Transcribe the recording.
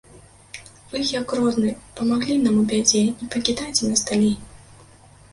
Вы, як родны, памаглі нам у бядзе, не пакідайце нас далей.